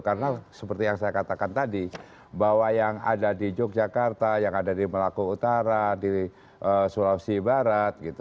karena seperti yang saya katakan tadi bahwa yang ada di yogyakarta yang ada di maluku utara di sulawesi barat